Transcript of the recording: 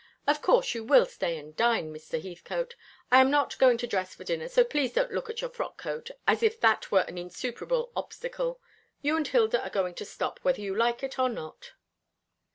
Of course, you will stay and dine, Mr. Heathcote. I am not going to dress for dinner, so please don't look at your frock coat as if that were an insuperable obstacle. You and Hilda are going to stop, whether you like it or not."